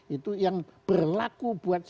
itu yang berlaku buat